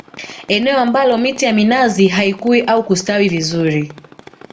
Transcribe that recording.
Eneo ambalo miti ya minazi haikui au kustawi vizuri